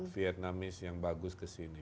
vietnamese yang bagus ke sini